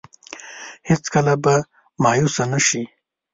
هېڅ کله به مايوسه نه شي.